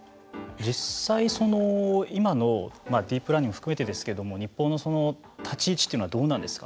実際その今のディープラーニングも含めてですけども日本の立ち位置というのはどうなんですか。